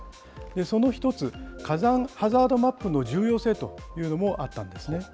その１つ、火山ハザードマップの重要性というのもあったんですね。